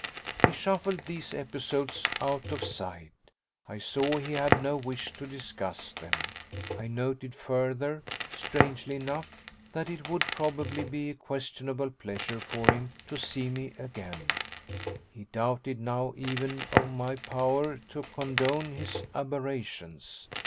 He shuffled these episodes out of sight I saw he had no wish to discuss them. I noted further, strangely enough, that it would probably be a questionable pleasure for him to see me again: he doubted now even of my power to condone his aberrations.